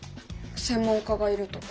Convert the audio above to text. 専門家がいるとか？